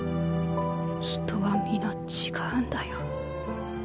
人は皆違うんだよ。